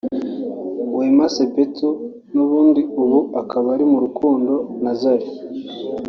Wema Sepetu n’abandi ubu akaba ari mu rukundo na Zari